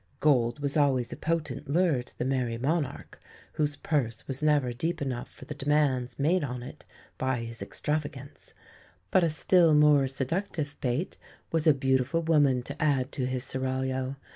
Gold was always a potent lure to the "Merrie Monarch," whose purse was never deep enough for the demands made on it by his extravagance; but a still more seductive bait was a beautiful woman to add to his seraglio.